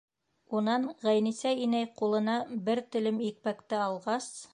Унан Ғәйнисә инәй ҡулына бер телем икмәкте алғас: